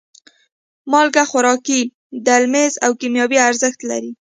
مالګه خوراکي، درملیز او کیمیاوي ارزښت لري.